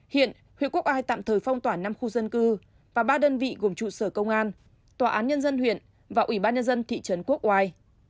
hiện huyện quốc ai tạm thời phong tỏa năm khu dân cư và ba đơn vị gồm trụ sở công an tòa án nhân dân huyện và ủy ban nhân dân thị trấn quốc oai